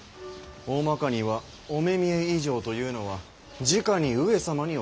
おおまかには御目見以上というのはじかに上様にお仕えする者たち